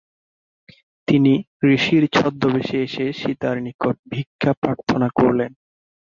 তিনি ঋষির ছদ্মবেশে এসে সীতার নিকট ভিক্ষা প্রার্থনা করলেন।